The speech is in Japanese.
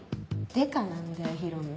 刑事なんだよヒロムー。